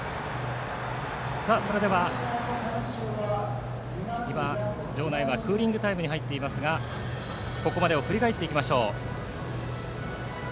それでは今場内はクーリングタイムに入っていますがここまでを振り返っていきましょう。